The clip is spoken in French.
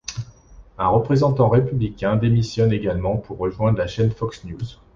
Un représentant républicain démissionne également pour rejoindre la chaîne Fox News.